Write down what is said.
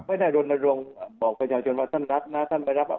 ไม่ได้รนรงค์บอกประชาชนว่าท่านรับนะท่านรับนะ